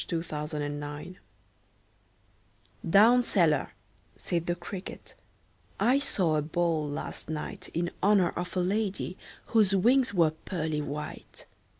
The Potato's Dance "Down cellar," said the cricket, "I saw a ball last night In honor of a lady Whose wings were pearly white.